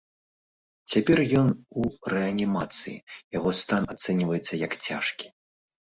Цяпер ён у рэанімацыі, яго стан ацэньваецца як цяжкі.